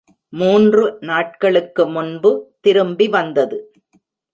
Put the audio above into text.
மூன்று நாட்களுக்கு முன்பு திரும்பி வந்தது.